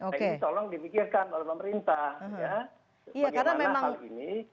jadi tolong dipikirkan oleh pemerintah ya bagaimana hal ini